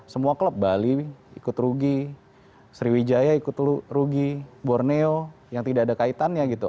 semua klub bali ikut rugi sriwijaya ikut rugi borneo yang tidak ada kaitannya gitu